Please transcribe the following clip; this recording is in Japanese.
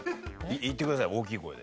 言ってください大きい声で。